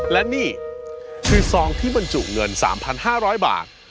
และนี่คือซองที่บรรจุเงิน๓๕๐๐บาท